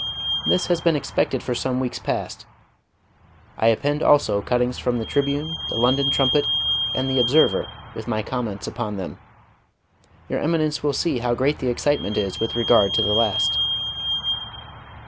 This has been expected for some weeks past. I append also cuttings from the Tribune, the London Trumpet, and the Observer, with my comments upon them. Your Eminence will see how great the excitement is with regard to the last.